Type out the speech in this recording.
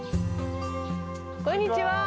こんにちは。